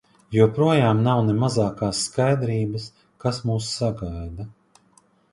Joprojām nav ne mazākās skaidrības, kas mūs sagaida.